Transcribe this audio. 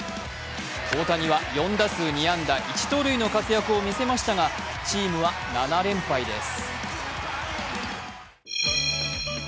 大谷は４打数２安打１盗塁の活躍を見せましたがチームは７連敗です。